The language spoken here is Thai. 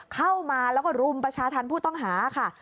เข้ามาแล้วก็รุมประชาธรรมผู้ต้องหาค่ะ